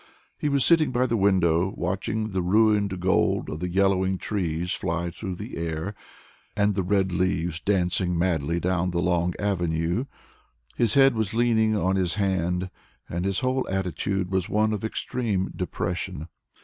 He was sitting by the window, watching the ruined gold of the yellowing trees fly through the air, and the red leaves dancing madly down the long avenue. His head was leaning on his hand, and his whole attitude was one of extreme depression.